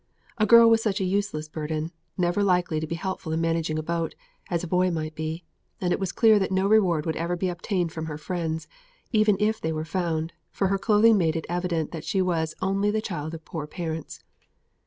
A girl was such a useless burden, never likely to be helpful in managing a boat, as a boy might be; and it was clear that no reward would ever be obtained from her friends, even if they were found, for her clothing made it evident that she was only the child of poor parents.